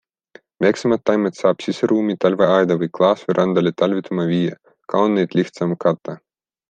Väiksemad taimed saab siseruumi, talveaeda või klaasverandale talvituma viia, ka on neid lihtsam katta.